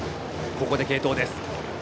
ここで継投です。